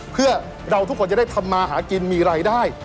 เพื่อเราทุกคนจะได้ทำมาหากินมีรายได้